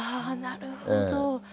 あなるほど。